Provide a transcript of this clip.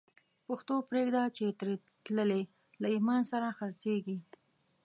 پښتو پریږده چی تری تللی، له ایمان سره خرڅیږی